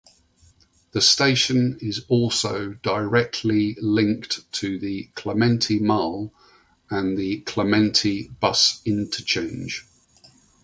The station is also directly linked to the Clementi Mall and Clementi Bus Interchange.